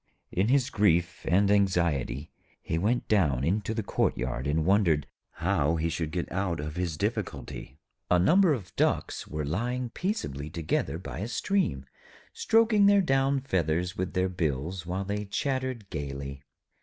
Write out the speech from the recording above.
In his grief and anxiety he went down into the courtyard and wondered how he should get out of his difficulty. A number of Ducks were lying peaceably together by a stream, stroking down their feathers with their bills, while they chattered gaily.